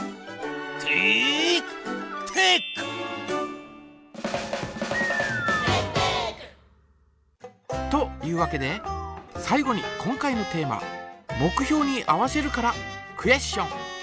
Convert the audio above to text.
「テイクテック」！というわけで最後に今回のテーマ「目標に合わせる」からクエスチョン。